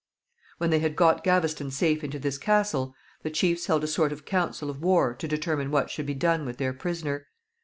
When they had got Gaveston safe into this castle, the chiefs held a sort of council of war to determine what should be done with their prisoner.